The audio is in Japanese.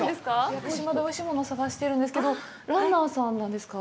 屋久島でおいしいものを探してるんですけどランナーさんなんですか？